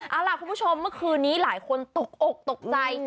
เอาล่ะคุณผู้ชมเมื่อคืนนี้หลายคนตกอกตกใจ